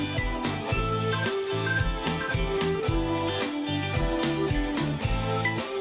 สวัสดีค่ะ